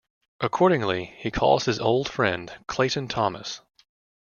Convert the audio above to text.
Accordingly, he calls his old friend Clayton Thomas.